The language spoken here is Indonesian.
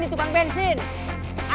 dersayang pun crate